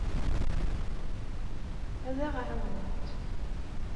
Ad aɣ-ɛawnent.